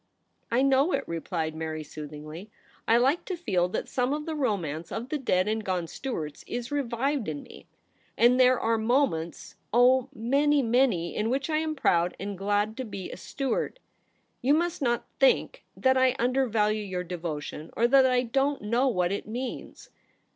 * I know it/ replied Mary soothingly. ' I like to feel that some of the romance of the dead and gone Stuarts is revived in me ; and there are moments — oh, many, many — in which I am proud and glad to be a Stuart. You must not think that I undervalue your devotion, or that I don't know what it means.'